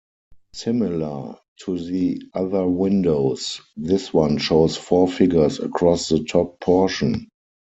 Similar to the other windows, this one shows four figures across the top portion.